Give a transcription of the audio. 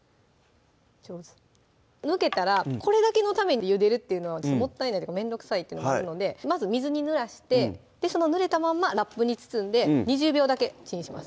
上手抜けたらこれだけのためにゆでるっていうのはもったいないというかめんどくさいってのもあるのでまずに水にぬらしてそのぬれたまんまラップに包んで２０秒だけチンします